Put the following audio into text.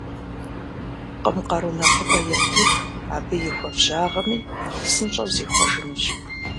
Пкъым къару нэхъыбэ ептыху, абы и хуабжьагъми нэхъ псынщӏэу зихъуэжынущ.